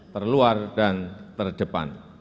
terluar dan terdepan